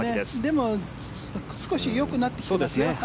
でも少しよくなってきていますよ。